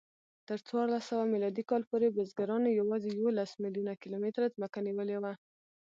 تر څوارلسسوه میلادي کال پورې بزګرانو یواځې یوولس میلیونه کیلومتره ځمکه نیولې وه.